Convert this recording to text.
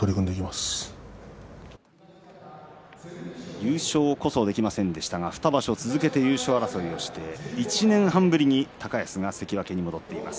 優勝こそできませんでしたが、２場所続けて優勝争いをして１年半ぶりに高安が関脇に戻っています。